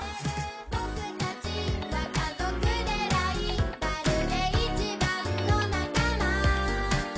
「ぼくたちは家族でライバルで一番の仲間」